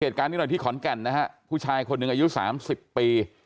เหตุการณ์นี้หน่อยที่ขอนแก่นนะฮะผู้ชายคนหนึ่งอายุสามสิบปี